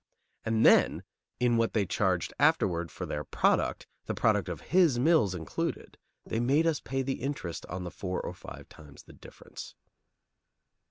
And then in what they charged afterward for their product, the product of his mills included, they made us pay the interest on the four or five times the difference.